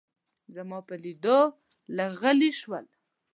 زما په لیدو لږ غلي شول.